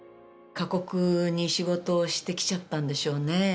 過酷に仕事をしてきちゃったんでしょうね。